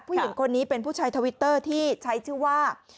ผู้หญิงคนนี้เป็นผู้ใช้ทวิตเตอร์ที่ใช้ชื่อว่า